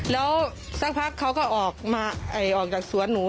แล้วสักพักเขาก็ออกจากสวนหนู